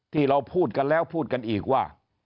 ที่เราพูดกันแล้วพูดกันอีกว่า